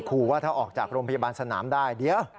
ว่าถ้าออกจากโรงพยาบาลสนามได้เดี๋ยว